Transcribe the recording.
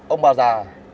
ông bà già